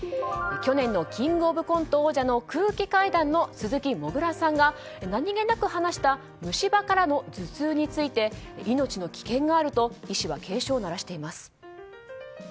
去年のキングオブコント王者の空気階段の鈴木もぐらさんが何気なく話した虫歯からの頭痛について命の危険があると医師は警鐘を鳴らしています。